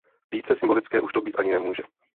Více symbolické už to být ani nemůže.